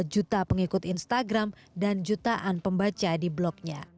empat puluh tiga juta pengikut instagram dan jutaan pembaca di blognya